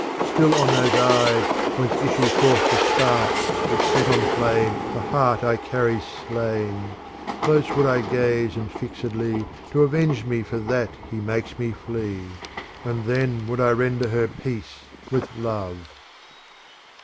Still on those eyes whence issue forth the sparks Which set on flame the heart I carry slain close would I gaze and fixedly to avenge me for that he^ makes me flee : and then would I render her peace with love.